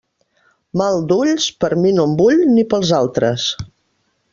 Mal d'ulls, per mi no el vull, ni pels altres.